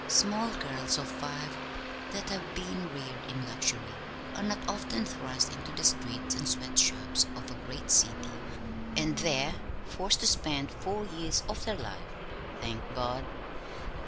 Small girls of five that have been reared in luxury are not often thrust into the streets and sweat shops of a great city and there forced to spend four years of their life thank God!